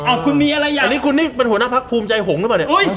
อันนี้คุณนี่เป็นหัวหน้าพักภูมิใจหงค์หรือเปล่าเนี่ย